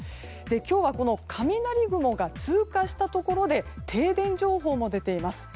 今日は雷雲が通過したところで停電情報も出ています。